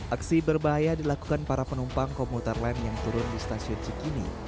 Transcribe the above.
aksi berbahaya dilakukan para penumpang komuter lain yang turun di stasiun cikini